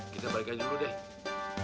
kita balik aja dulu deh